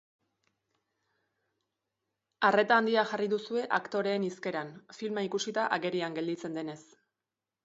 Arreta handia jarri duzue aktoreen hizkeran, filma ikusita agerian gelditzen denez.